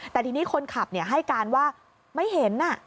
แต่ทีนี้คนขับให้การว่าไม่เห็น